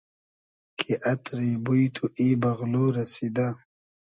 کی اتری بوی تو ای بئغلۉ رئسیدۂ